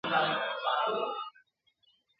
هم شهید مقتدي پروت دی هم مُلا په وینو سور دی ..